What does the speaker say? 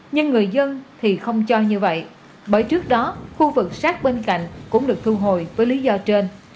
nhưng người dân thì không cho như vậy bởi trước đó khu vực sát bên cạnh cũng được thu hồi với lý do trên